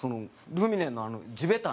ルミネの地べた？